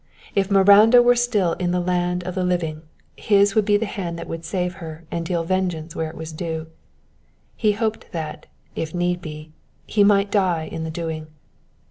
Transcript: If Miranda were still in the land of the living, his would be the hand that would save her and deal vengeance where it was due. He hoped that, if need be, he might die in the doing.